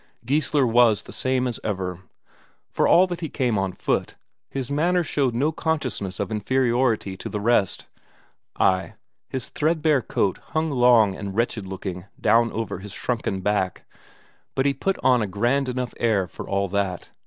Geissler was the same as ever. For all that he came on foot, his manner showed no consciousness of inferiority to the rest; ay, his threadbare coat hung long and wretched looking down over his shrunken back, but he put on a grand enough air for all that.